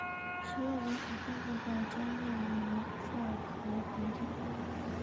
使用人口分布在中叶尼塞河盆地。